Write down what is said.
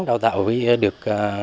đào tạo với được